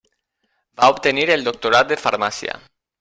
Va obtenir el doctorat de Farmàcia.